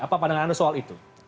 apa pandangan anda soal itu